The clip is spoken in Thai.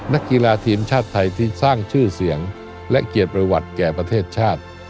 นักกีฬาทีมชาติไทยที่สร้างชื่อเสียงและเกียรติประวัติแก่ประเทศชาติ